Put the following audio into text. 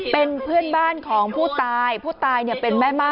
เป็นเพื่อนบ้านของผู้ตายผู้ตายเนี่ยเป็นแม่ม่า